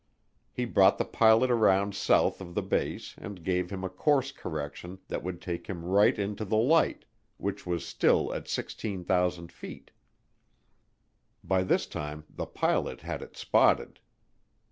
He brought the pilot around south of the base and gave him a course correction that would take him right into the light, which was still at 16,000 feet. By this time the pilot had it spotted.